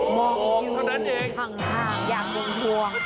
มองอยู่ข้างอย่างภูมิภวงเหมือนกันเอง